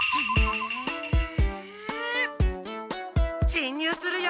しんにゅうするよ！